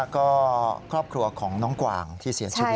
ก็ครอบครัวของน้องกวางที่เสียชีวิต